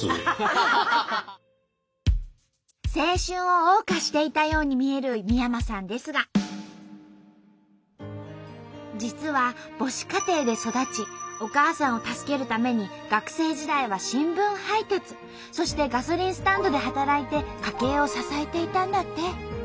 青春を謳歌していたように見える三山さんですが実は母子家庭で育ちお母さんを助けるために学生時代は新聞配達そしてガソリンスタンドで働いて家計を支えていたんだって。